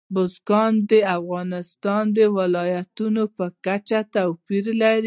بزګان د افغانستان د ولایاتو په کچه توپیر لري.